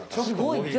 すごい。